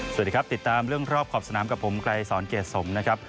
สวัสดีครับติดตามเรื่องรอบขอบสนามกับผมไกรสอนเกรดสมนะครับ